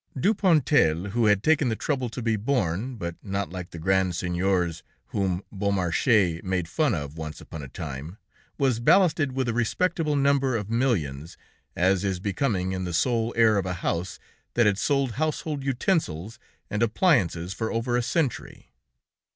Dupontel, who had taken the trouble to be born, but not like the grand seigneurs whom Beaumarchais made fun of once upon a time, was ballasted with a respectable number of millions, as is becoming in the sole heir of a house that had sold household utensils and appliances for over a century.